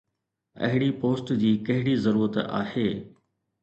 اهڙي پوسٽ جي ڪهڙي ضرورت آهي؟